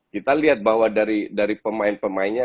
kita lihat bahwa dari pemain pemainnya